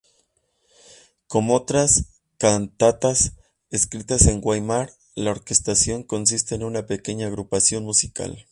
Como otras cantatas escritas en Weimar la orquestación consiste en una pequeña agrupación musical.